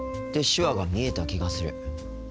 手話が見えた気がする。